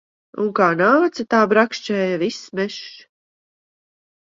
Un kā nāca, tā brakšķēja viss mežs.